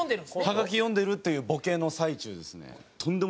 はがき読んでるっていうボケの最中ですね。